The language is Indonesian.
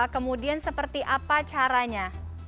kemudian seperti apa caranya